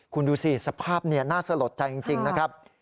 คุณดูสิสภาพน่าสลดใจจริงนะครับ